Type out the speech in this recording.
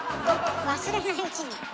忘れないうちに？